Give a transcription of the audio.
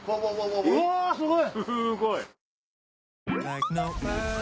うわすごい！